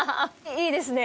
いいですね。